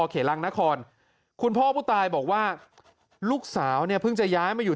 เขลังนครคุณพ่อผู้ตายบอกว่าลูกสาวเนี่ยเพิ่งจะย้ายมาอยู่